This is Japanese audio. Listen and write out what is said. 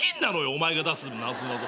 お前が出すなぞなぞ。